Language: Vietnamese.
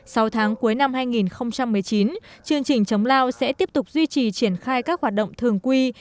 sau tháng cuối năm hai nghìn một mươi chín chương trình chống lao sẽ tiếp tục duy trì triển khai các hoạt động thường quy